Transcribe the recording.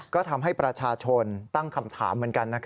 ก็ทำให้ประชาชนตั้งคำถามเหมือนกัน